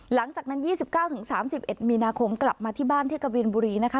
หลังจากนั้นยี่สิบเก้าถึงสามสิบเอ็ดมีนาคมกลับมาที่บ้านที่กะบินบุรีนะคะ